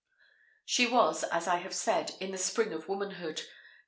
She was, as I have said, in the spring of womanhood.